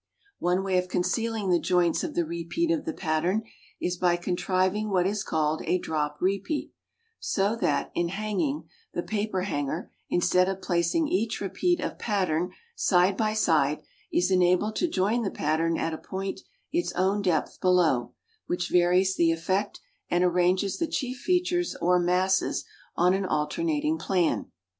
One way of concealing the joints of the repeat of the pattern is by contriving what is called a drop repeat, so that, in hanging, the paper hanger, instead of placing each repeat of pattern side by side, is enabled to join the pattern at a point its own depth below, which varies the effect, and arranges the chief features or masses on an alternating plan.